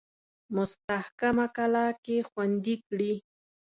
مستحکمه کلا کې خوندې کړي.